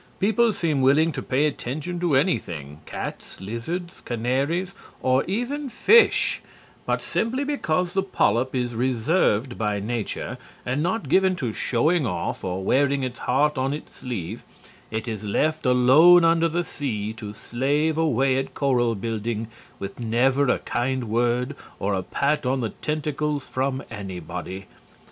People seem willing to pay attention to anything, cats, lizards, canaries, or even fish, but simply because the polyp is reserved by nature and not given to showing off or wearing its heart on its sleeve, it is left alone under the sea to slave away at coral building with never a kind word or a pat on the tentacles from anybody.